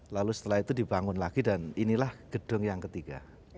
lalu setelah itu dibangun lagi dan inilah gedung yang ketiga